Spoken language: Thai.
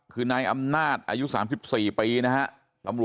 คือนายอำนาจอายุ๓๔ปีนะฮะ